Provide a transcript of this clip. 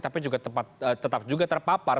tapi juga tetap terpapar